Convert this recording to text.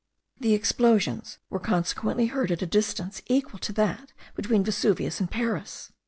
The explosions were consequently heard at a distance equal to that between Vesuvius and Paris.